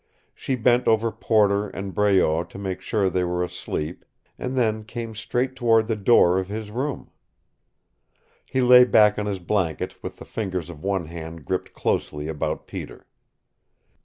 She bent over Porter and Breault to make sure they were asleep, and then came straight toward the door of his room. He lay back on his blanket, with the fingers of one hand gripped closely about Peter.